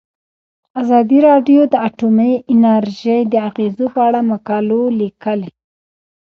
ازادي راډیو د اټومي انرژي د اغیزو په اړه مقالو لیکلي.